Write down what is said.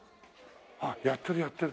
あっやってるやってる。